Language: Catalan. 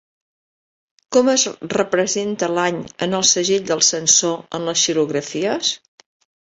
Com es representa l'any en el segell del censor en les xilografies?